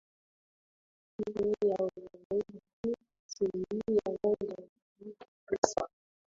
ile ya Uyahudi asilimia moja point tisa